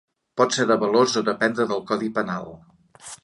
Pot ser de valors o dependre del codi penal.